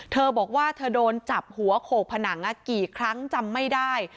เธอบอกว่าเธอโดนจับหัวโขกผนังกี่ครั้งจำไม่ได้